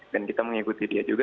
dan kita mengikuti dia juga